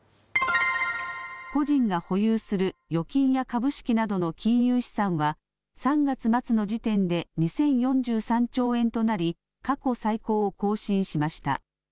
個人が保有する預金や株式などの金融資産は、３月末の時点で２０４３兆円となり、過去最高を更新しました。